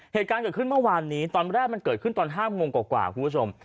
เหตุการณ์เกิดขึ้นเมื่อวานนี้ตอนแรกมันเกิดขึ้นตอน๕โมงกว่าคุณผู้ชม